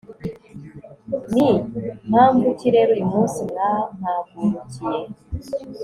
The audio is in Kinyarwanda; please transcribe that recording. ni mpamvu ki rero uyu munsi mwampagurukiye